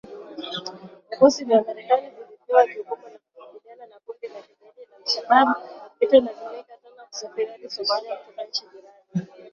Vikosi vya Marekani vilivyopewa jukumu la kukabiliana na kundi la kigaidi la Al Shabab havitalazimika tena kusafiri hadi Somalia kutoka nchi jirani.